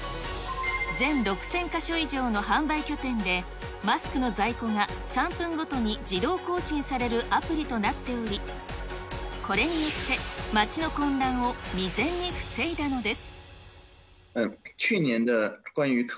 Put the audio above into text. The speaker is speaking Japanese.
全６０００か所以上の販売拠点で、マスクの在庫が３分ごとに自動更新されるアプリとなっており、これによって、街の混乱を未然に防いだのです。